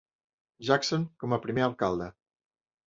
Jackson com a primer alcalde.